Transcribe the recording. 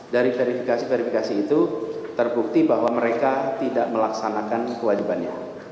dari verifikasi verifikasi itu terbukti bahwa mereka tidak melaksanakan kewajibannya